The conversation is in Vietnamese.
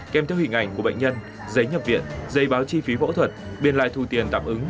kèm theo hình ảnh của bệnh nhân giấy nhập viện giấy báo chi phí bẫu thuật biên lại thù tiền tạm ứng